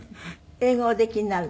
英語はおできになるの？